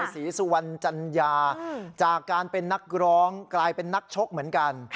ศรีสุวรรณจัญญาจากการเป็นนักร้องกลายเป็นนักชกเหมือนกัน